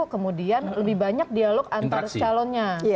kemudian lebih banyak dialog antar calonnya